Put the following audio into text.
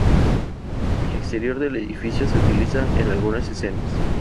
El exterior del edificio se utiliza en algunas escenas.